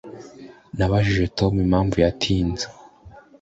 Nabajije impamvu Tom yatinze